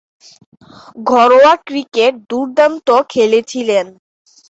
ঘরোয়া ক্রিকেটে দূর্দান্ত খেলেছিলেন।